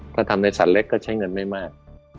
ถ้าทำในสัตว์เล็กก็ใช้เงินไม่มาก